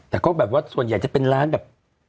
แต่ก็แบบว่าส่วนใหญ่จะเป็นร้านแบบ